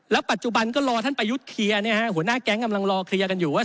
ปัจจุบันก็รอท่านประยุทธ์เคลียร์หัวหน้าแก๊งกำลังรอเคลียร์กันอยู่ว่า